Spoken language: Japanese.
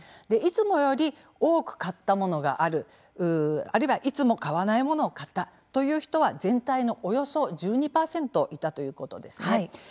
いつもより多く買ったものがあるあるいは、いつも買わないものを買ったという人は全体のおよそ１２％いたということです。